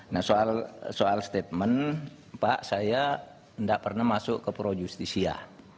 nah soal statement pak saya tidak pernah masuk ke pro justisia